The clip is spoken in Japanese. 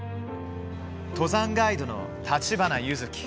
登山ガイドの立花柚月。